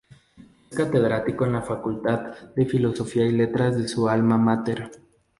Es catedrático en la Facultad de Filosofía y Letras de su alma máter.